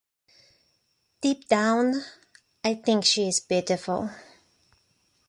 Deep down, I think she is pitiful.